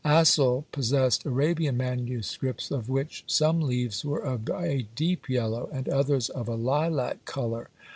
Astle possessed Arabian MSS. of which some leaves were of a deep yellow, and others of a lilac colour.